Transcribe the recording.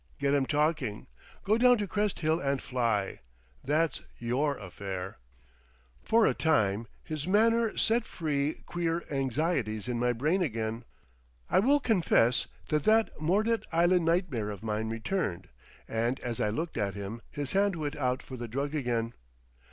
Get 'em talking. Go down to Crest Hill and fly. That's your affair." For a time his manner set free queer anxieties in my brain again. I will confess that that Mordet Island nightmare of mine returned, and as I looked at him his hand went out for the drug again.